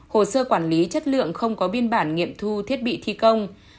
hồ sơ quản lý chất lượng không có biên bản nghiệm thu thiết bị thi công